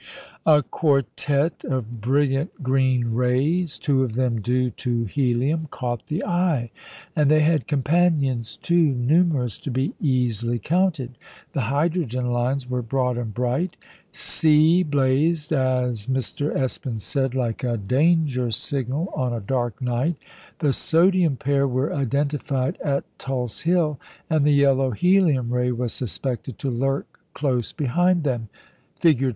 A quartette of brilliant green rays, two of them due to helium, caught the eye; and they had companions too numerous to be easily counted. The hydrogen lines were broad and bright; C blazed, as Mr. Espin said, "like a danger signal on a dark night"; the sodium pair were identified at Tulse Hill, and the yellow helium ray was suspected to lurk close beside them. Fig.